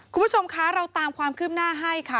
คุณผู้ชมคะเราตามความคืบหน้าให้ค่ะ